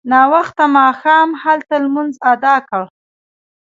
ناوخته ماښام هلته لمونځ اداء کړ.